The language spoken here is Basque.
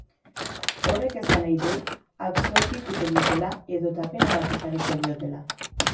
Horrek esan nahi du absolbituko dutela edota pena bat ezarriko diotela.